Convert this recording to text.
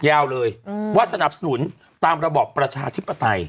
ยาวเลยว่าสนับสนุนตามระบอบประชาธิปไตย